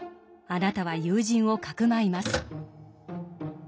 あなたは友人をかくまいます。